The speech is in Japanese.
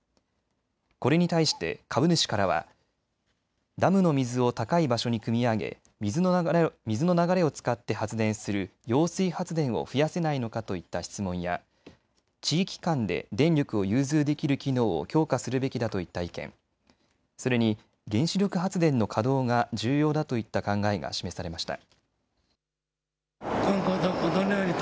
これに対して株主からはダムの水を高い場所にくみ上げ水の流れを使って発電する揚水発電を増やせないのかといった質問や、地域間で電力を融通できる機能を強化するべきだといった意見、それに原子力発電の稼働が重要だといった考えが示されました。